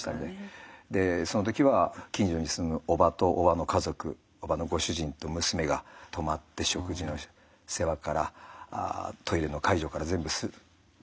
その時は近所に住む叔母と叔母の家族叔母のご主人と娘が泊まって食事の世話からトイレの介助から全部するということで１週間。